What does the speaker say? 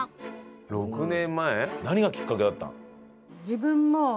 何がきっかけだったの？